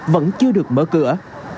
vẫn chưa được mở cửa